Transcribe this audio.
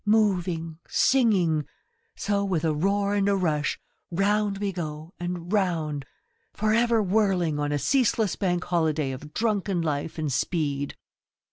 Moving, singing ... so with a roar and a rush round we go and round, for ever whirling on a ceaseless Bank Holiday of drunken life and speed. 21 The Merry go round.